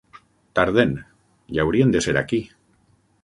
Tarden: ja haurien d'ésser aquí.